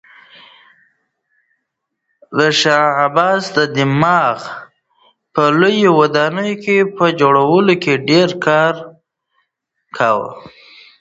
د شاه عباس دماغ د لویو ودانیو په جوړولو کې ډېر کار کاوه.